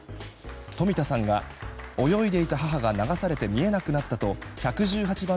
冨田さんが泳いでいた母が流されて見えなくなったと１１８番